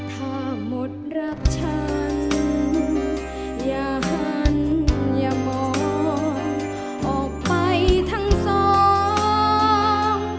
ถ้าหมดรักฉันอย่าหันอย่ามองออกไปทั้งสอง